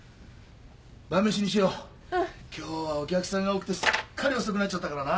今日はお客さんが多くてすっかり遅くなっちゃったからな。